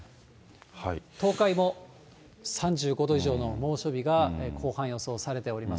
東海も３５度以上の猛暑日が後半、予想されております。